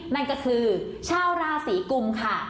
นั่นก็คือชาวราศีกุมค่ะ